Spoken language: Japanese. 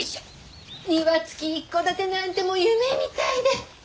庭付き一戸建てなんてもう夢みたいで。